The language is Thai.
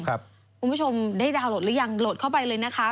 คุณผู้ชมได้ดาวนโหลดหรือยังโหลดเข้าไปเลยนะคะ